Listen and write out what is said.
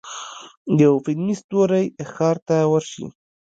یو فلمي ستوری ښار ته ورشي.